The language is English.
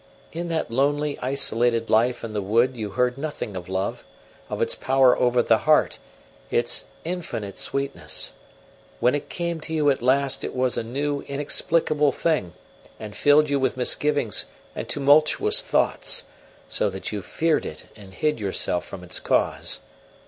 In that lonely, isolated life in the wood you had heard nothing of love, of its power over the heart, its infinite sweetness; when it came to you at last it was a new, inexplicable thing, and filled you with misgivings and tumultuous thoughts, so that you feared it and hid yourself from its cause.